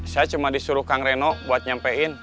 saya cuma disuruh kang reno buat nyampein